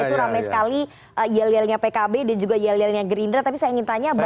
itu ramai sekali yel yelnya pkb dan juga yel yelnya gerindra tapi saya ingin tanya bahwa